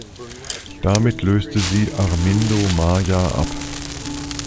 Damit löste sie Armindo Maia ab.